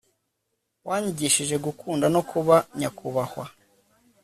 wanyigishije gukunda no kuba nyakubahwa